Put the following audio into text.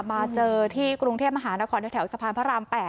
มาเจอที่กรุงเทพมหานครแถวสะพานพระราม๘